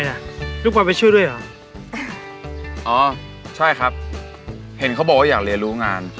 รัดดีจ้ะครับครับแบบนั้น